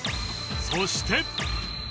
そして